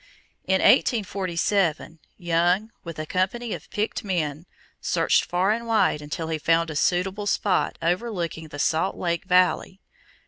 In 1847, Young, with a company of picked men, searched far and wide until he found a suitable spot overlooking the Salt Lake Valley.